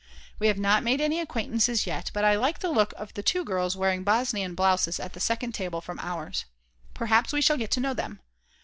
We have not made any acquaintances yet, but I like the look of the two girls wearing Bosnian blouses at the second table from ours. Perhaps we shall get to know them.